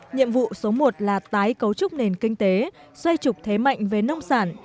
nhiệm vụ số một là tái cấu trúc nền kinh tế xoay trục thế mạnh về nông sản